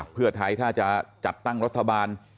เพื่อไทยถ้าจะจัดตั้งรัฐบาล